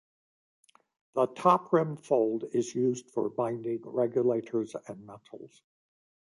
The toprim fold is used for binding regulators and metals.